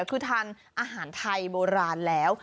คือทานอาหารไทยโบราณแล้ว